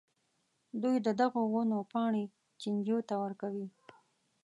دوی د دغو ونو پاڼې چینجیو ته ورکوي.